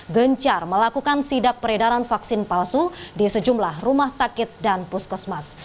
gencar melakukan sidak peredaran vaksin palsu di sejumlah rumah sakit dan puskesmas